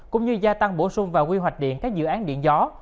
cũng như gia tăng bổ sung vào quy hoạch điện các dự án điện gió